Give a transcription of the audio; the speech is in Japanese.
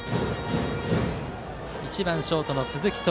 １番ショートの鈴木昊。